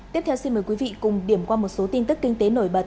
tiếp theo xin mời quý vị cùng điểm qua một số tin tức kinh tế nổi bật